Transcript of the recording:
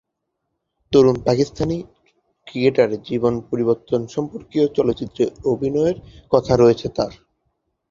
তরুণ পাকিস্তানি ক্রিকেটারের জীবন পরিবর্তন সম্পর্কীয় চলচ্চিত্রে অভিনয়ের কথা রয়েছে তার।